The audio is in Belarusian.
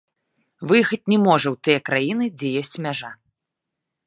Выехаць не можа ў тыя краіны, дзе ёсць мяжа.